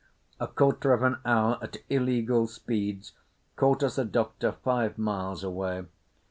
A quarter of an hour at illegal speeds caught us a doctor five miles away.